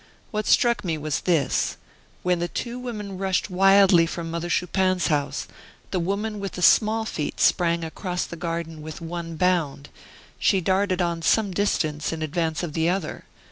What struck me was this: when the two women rushed wildly from Mother Chupin's house, the woman with the small feet sprang across the garden with one bound, she darted on some distance in advance of the other.